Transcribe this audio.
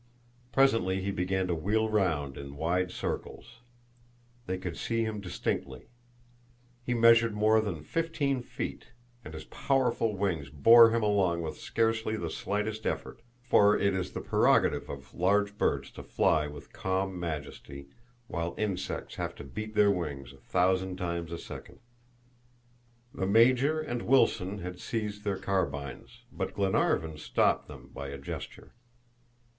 Presently he began to wheel round in wide circles. They could see him distinctly. He measured more than fifteen feet, and his powerful wings bore him along with scarcely the slightest effort, for it is the prerogative of large birds to fly with calm majesty, while insects have to beat their wings a thousand times a second. The Major and Wilson had seized their carbines, but Glenarvan stopped them by a gesture.